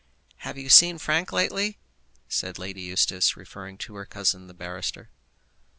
"Have you seen Frank, lately?" said Lady Eustace, referring to her cousin the barrister.